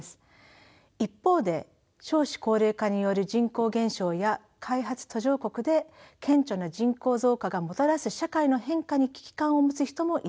一方で少子高齢化による人口減少や開発途上国で顕著な人口増加がもたらす社会の変化に危機感を持つ人もいるでしょう。